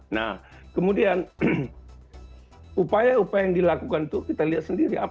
nah kemudian upaya upaya yang dilakukan itu kita lihat sendiri